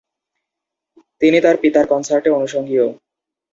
তিনি তার পিতার কনসার্টে অনুষঙ্গীও।